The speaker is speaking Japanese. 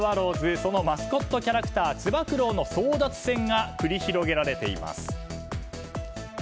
そのマスコットキャラクターつば九郎の争奪戦が繰り広げられています。